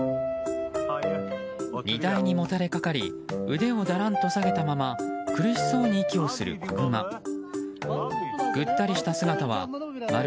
荷台にもたれかかり腕をだらんと下げたまま苦しそうに息をする子グマ。